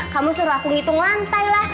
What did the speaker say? kamu suruh aku ngitung lantai lah